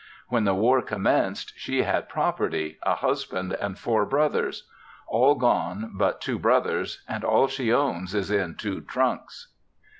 When the war commenced, she had property, a husband and four brothers; all gone but two brothers, and all she owns is in two trunks.